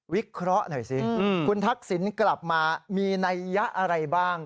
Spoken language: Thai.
วิเคราะห์หน่อยสิคุณทักษิณกลับมามีนัยยะอะไรบ้าง